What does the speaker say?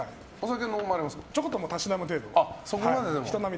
ちょこっとたしなむ程度で。